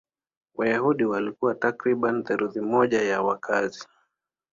Wayahudi walikuwa takriban theluthi moja ya wakazi.